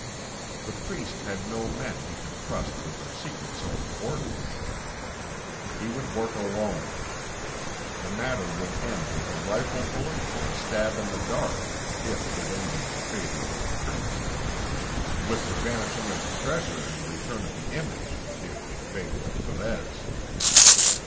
The Priest had no men he could trust with a secret so important. He would work alone. The matter would end with a rifle bullet or a stab in the dark if it ended in favor of the Priest. With the vanishing of the treasure and the return of the image if in favor of Sorez.